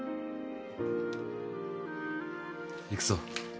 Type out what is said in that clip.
行くぞ。